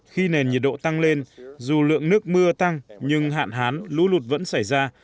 khi nền nhiệt độ tăng lên dù lượng nước mưa tăng nhưng hạn hán lũ lụt vẫn xảy ra